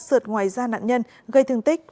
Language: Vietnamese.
sượt ngoài da nạn nhân gây thương tích